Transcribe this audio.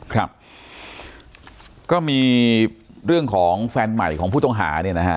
ครับก็มีเรื่องของแฟนใหม่ของผู้ต้องหาเนี่ยนะฮะ